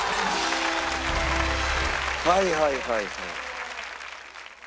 はいはいはいはい。